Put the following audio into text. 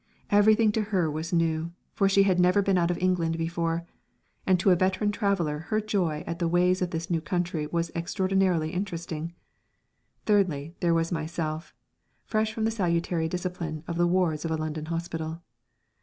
Everything to her was new, for she had never been out of England before, and to a veteran traveller her joy at the ways of this new country was extraordinarily interesting. Thirdly, there was myself, fresh from the salutary discipline of the wards of a London hospital.